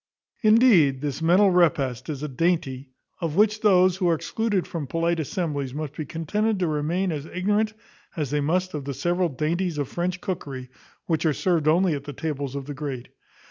Indeed, this mental repast is a dainty, of which those who are excluded from polite assemblies must be contented to remain as ignorant as they must of the several dainties of French cookery, which are served only at the tables of the great.